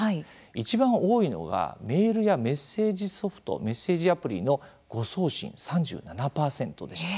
いちばん多いのがメールやメッセージソフトメッセージアプリの誤送信３７％でした。